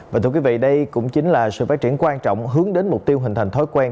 và thưa quý vị đây cũng chính là sự phát triển quan trọng hướng đến mục tiêu hình thành thói quen